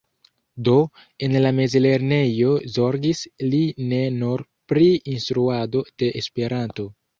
Do, en la mezlernejo zorgis li ne nur pri instruado de Esperanto.